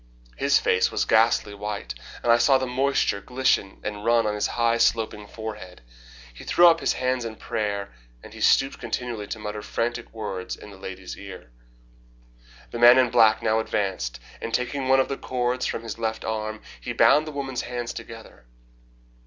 His face was ghastly white, and I saw the moisture glisten and run on his high, sloping forehead. He threw up his hands in prayer and he stooped continually to mutter frantic words in the lady's ear. The man in black now advanced, and taking one of the cords from his left arm, he bound the woman's hands together.